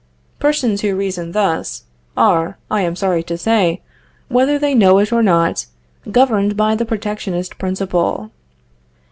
Persons who reason thus, are (I am sorry to say), whether they know it or not, governed by the protectionist principle.